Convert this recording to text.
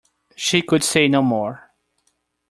She could say no more.